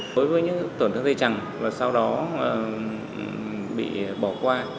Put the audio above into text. đối với những tổn thương dây chẳng và sau đó bị bỏ qua